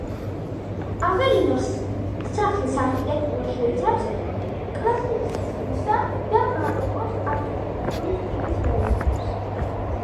ავერინოს სახლის არქიტექტურა შეიცავს კლასიციზმისა და ბაროკოს არქიტექტურული სტილის ელემენტებს.